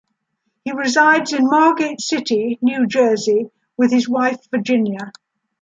He resides in Margate City, New Jersey with his wife, Virginia.